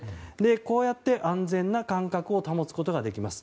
こうやって安全な間隔を保つことができます。